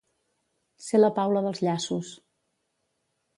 Ser la Paula dels llaços.